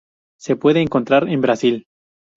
Se puede encontrar en Brasil.